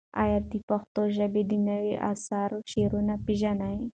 ایا ته د پښتو ژبې د نوي عصر شاعران پېژنې؟